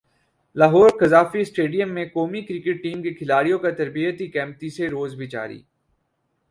Lahore Qaddafi stadium میں قومی cricket team کے کھلاڑیوں کا تربیتی کیمپ تیسرے روز بھی جاری